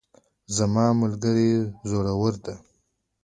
زما ملګری زړور ده